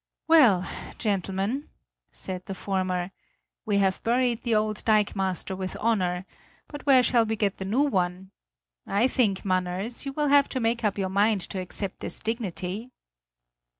"Well, gentlemen," said the former; "we have buried the old dikemaster with honor; but where shall we get the new one? I think, Manners, you will have to make up your mind to accept this dignity."